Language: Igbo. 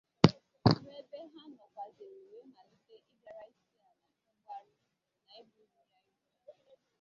nụ ebe ha nọkwàzịrị wee malite ịbịara Isiana mgbaru nà iburu ya ìhù